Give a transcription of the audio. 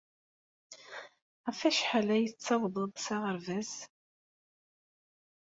Ɣef wacḥal ay tettawḍeḍ s aɣerbaz?